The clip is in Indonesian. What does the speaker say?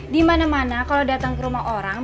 dimana mana kalau datang ke rumah orang